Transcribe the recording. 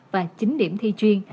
và chín điểm thi chuyên